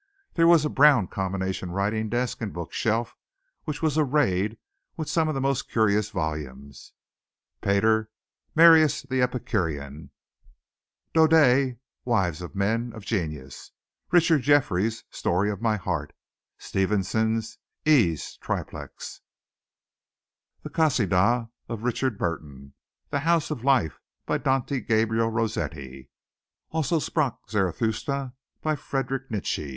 There was a brown combination writing desk and book shelf which was arrayed with some of the most curious volumes Pater's "Marius the Epicurean," Daudet's "Wives of Men of Genius," Richard Jefferies' "Story of My Heart," Stevenson's "Aes Triplex," "The Kasidah" of Richard Burton, "The House of Life" by Dante Gabriel Rossetti, "Also sprach Zarathustra" by Friedrich Nietzsche.